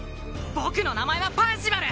僕の名前はパーシバル！